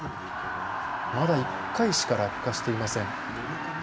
まだ１回しか落下していません。